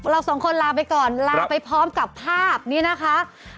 เราสองคนลาไปก่อนลาไปพร้อมกับภาพนี้นะคะ